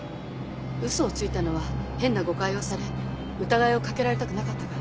嘘をついたのは変な誤解をされ疑いをかけられたくなかったからです。